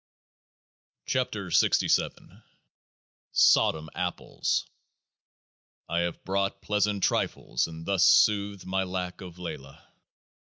83 KEOAAH SZ SODOM APPLES I have bought pleasant trifles, and thus soothed my lack of LAYLAH.